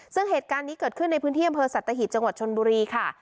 ซึ่งเหตุการณ์นี้เกิดขึ้นในพื้นที่อำเภอสัตหีบจังหวัดชนบุรีค่ะ